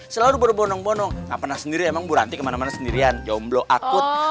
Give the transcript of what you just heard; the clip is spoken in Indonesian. selalu berbonong bonong gak pernah sendiri emang bu ranti kemana mana sendirian jomblo akut